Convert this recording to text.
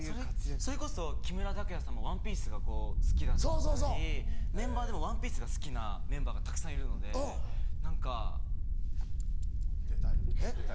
それこそ木村拓哉さんも『ＯＮＥＰＩＥＣＥ』が好きだったりメンバーでも『ＯＮＥＰＩＥＣＥ』が好きなメンバーがたくさんいるので何か。えっ？・出たい？